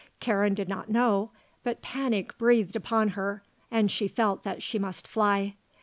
Karen did not know; but panic breathed upon her, and she felt that she must fly.